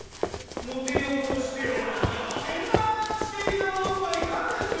モテようとして洗顔していた男がいたんですよ。